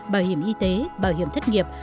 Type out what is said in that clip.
bảo hiểm y tế bảo hiểm thất nghiệp